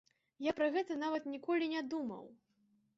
Я пра гэта нават ніколі не думаў.